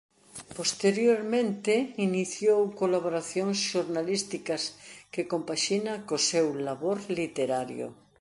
Posteriormente iniciou colaboracións xornalísticas que compaxina co seu labor literario.